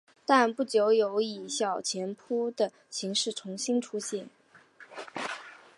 但不久有以小钱铺的形式重新出现。